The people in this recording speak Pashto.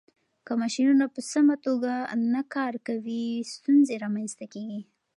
که ماشينونه په سمه توګه نه کار کوي، ستونزې رامنځته کېږي.